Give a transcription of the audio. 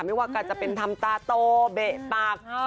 ไม่ว่าก็จะเป็นทำตาโตเบะปาก